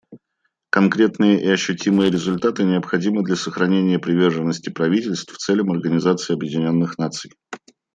Конкретные и ощутимые результаты необходимы для сохранения приверженности правительств целям Организации Объединенных Наций.